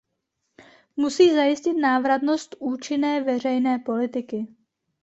Musí zajistit návratnost účinné veřejné politiky.